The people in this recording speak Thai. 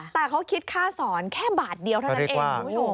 แต่เขาคิดค่าสอนแค่บาทเดียวเท่านั้นเองคุณผู้ชม